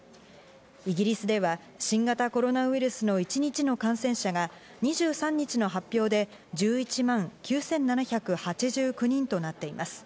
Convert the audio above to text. イギリスでは新型コロナウイルスの一日の感染者が２３日の発表で１１万９７８９人となっています。